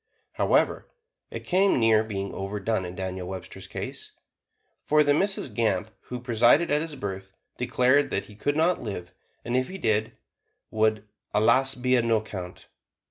However, it came near being overdone in Daniel Webster's case, for the Mrs. Gamp who presided at his birth declared he could not live, and if he did, would "allus be a no 'count."